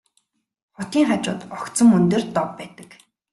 Хотын хажууд огцом өндөр дов байдаг.